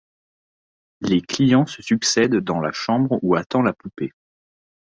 Les clients se succèdent dans la chambre où attend la poupée.